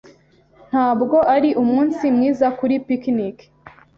Ntabwo ari umunsi mwiza kuri picnic?